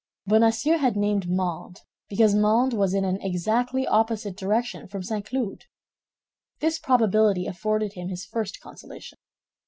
Bonacieux had named Mandé because Mandé was in an exactly opposite direction from St. Cloud. This probability afforded him his first consolation.